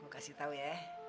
gue kasih tau ya